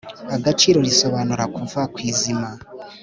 Agaciro risobanura kuva ku izima